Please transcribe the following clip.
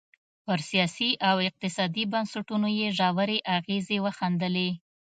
پر سیاسي او اقتصادي بنسټونو یې ژورې اغېزې وښندلې.